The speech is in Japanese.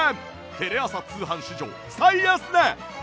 テレ朝通販史上最安値！